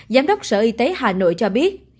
giám đốc sở y tế hà nội cho biết